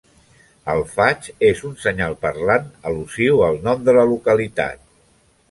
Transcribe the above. El faig és un senyal parlant, al·lusiu al nom de la localitat.